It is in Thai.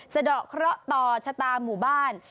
สะดอกเคราะห์ต่อชะตาหมู่บ้าน